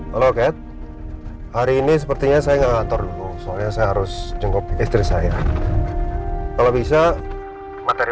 halo kat hari ini sepertinya saya ngatur soalnya saya harus jengkau istri saya kalau bisa materi